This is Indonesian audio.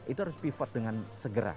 itu harus pivot dengan segera